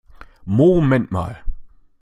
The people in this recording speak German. Moment mal!